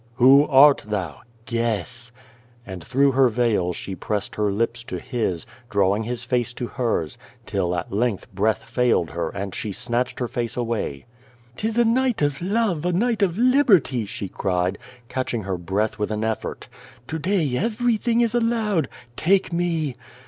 '* "AVho art thou?" "Guess." And through her veil she pressed her lips to his, drawing his face to hers, till at length breath failed her, and she snatched her face away. "'Tis a night of love! A night of libei ty!" she cried, catcliing her breath with an effort. "To day everything is allowed. Take me!"